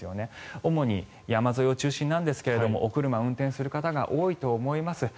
主に山沿いを中心なんですがお車を運転する方が多いと思います。